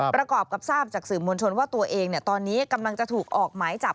ประกอบกับทราบจากสื่อมวลชนว่าตัวเองตอนนี้กำลังจะถูกออกหมายจับ